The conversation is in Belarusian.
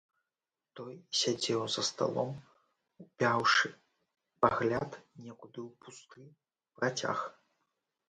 Той сядзеў за сталом, упяўшы пагляд некуды ў пусты працяг.